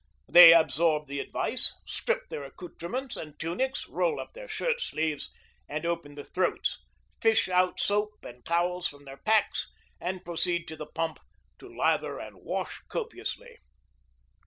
They absorb the advice, strip their accoutrements and tunics, roll up their shirt sleeves, and open the throats, fish out soap and towels from their packs, and proceed to the pump to lather and wash copiously.